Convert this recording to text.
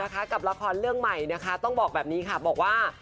กับละครเรื่องใหม่นะคะต้องบอกแบบนี้ค่ะบอกว่า